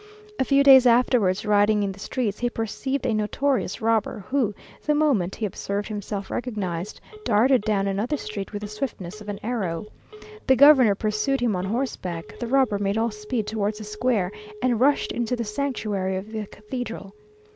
A few days afterwards, riding in the streets, he perceived a notorious robber, who, the moment he observed himself recognised, darted down another street with the swiftness of an arrow. The governor pursued him on horseback; the robber made all speed towards the Square, and rushed into the sanctuary of the cathedral.